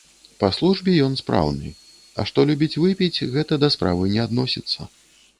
Па службе ён спраўны, а што любіць выпіць, гэта да справы не адносіцца.